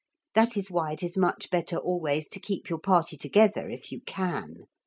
That is why it is much better always to keep your party together if you can.